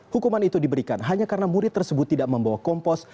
hukuman itu diberikan hanya karena murid tersebut tidak membawa kompos